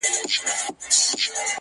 زړه مي را خوري.